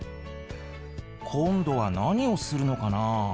今度は何をするのかなあ。